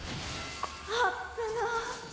あっぶな。